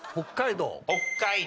北海道。